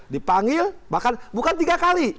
dipanggil bahkan bukan tiga kali